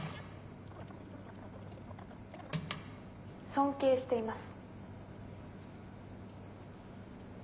尊敬しています。